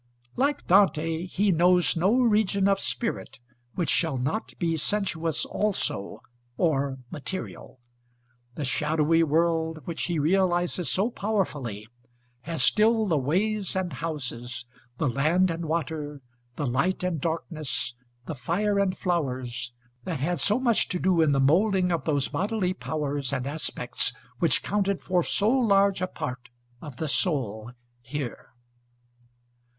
Like Dante, he knows no region of spirit which shall not be sensuous also, or material. The shadowy world, which he realises so powerfully, has still the ways and houses, the land and water, the light and darkness, the fire and flowers, that had so much to do in the moulding of those bodily powers and aspects which counted for so large a part of the soul, here.